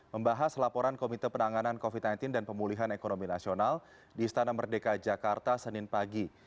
membahas laporan komite penanganan covid sembilan belas dan pemulihan ekonomi nasional di istana merdeka jakarta senin pagi